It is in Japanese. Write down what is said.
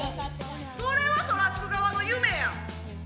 それはトラック側の夢や。